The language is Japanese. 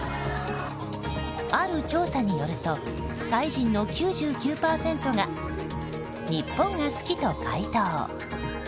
ある調査によるとタイ人の９９％が日本が好きと回答。